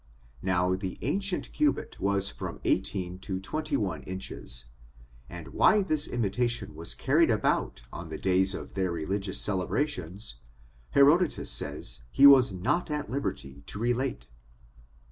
Now, the ancient cubit was from eighteen to twenty one inches ; and why this im itation was carried about on the days of their religious celebrations, Herodotus says he was not at liberty to relate.